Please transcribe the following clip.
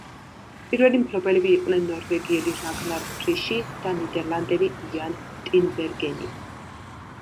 პირველი მფლობელები იყვნენ ნორვეგიელი რაგნარ ფრიში და ნიდერლანდელი იან ტინბერგენი.